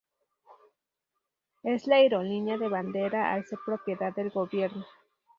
Es la aerolínea de bandera al ser propiedad del gobierno.